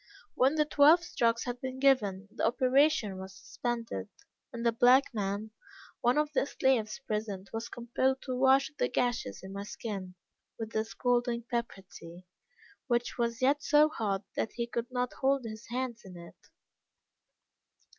When the twelve strokes had been given, the operation was suspended, and a black man, one of the slaves present, was compelled to wash the gashes in my skin, with the scalding pepper tea, which was yet so hot that he could not hold his hand in it.